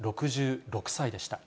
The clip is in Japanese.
６６歳でした。